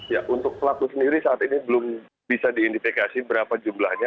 ya untuk pelaku sendiri saat ini belum bisa diidentifikasi berapa jumlahnya